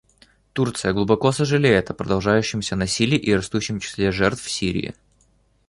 Турция глубоко сожалеет о продолжающемся насилии и растущем числе жертв в Сирии.